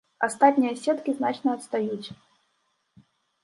Астатнія сеткі значна адстаюць.